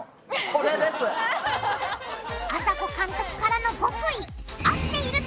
あさこ監督からの極意！